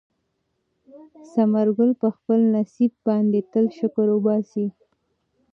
ثمر ګل په خپل نصیب باندې تل شکر وباسي.